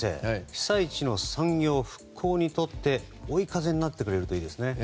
被災地の産業復興に追い風になってくれるといいですね。